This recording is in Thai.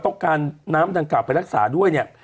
ต้องการน้ำดังกล่าวไปรักษาด้วยเนี่ย